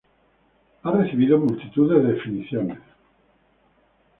Ha recibido multitud de definiciones.